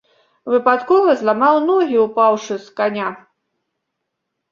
Выпадкова зламаў ногі, упаўшы з каня.